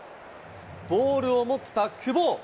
ボールを持った久保。